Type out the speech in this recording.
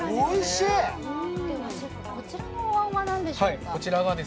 シェフ、こちらのおわんは何でしょうか。